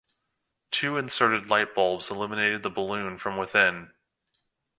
Two inserted light bulbs illuminated the balloon from within.